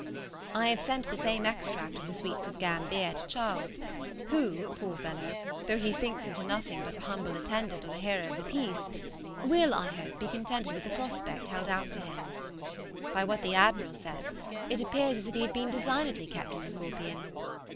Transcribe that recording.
I have sent the same extract of the sweets of Gambier to Charles, who, poor fellow, though he sinks into nothing but an humble attendant on the hero of the piece, will, I hope, be contented with the prospect held out to him. By what the Admiral says, it appears as if he had been designedly kept in the "Scorpion."